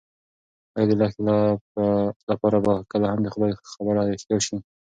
ایا د لښتې لپاره به کله هم د خدای خبره رښتیا شي؟